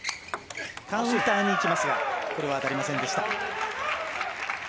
カウンターに行きますがこれは当たりませんでした。